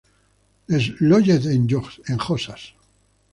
Les Loges-en-Josas